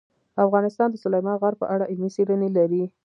افغانستان د سلیمان غر په اړه علمي څېړنې لري.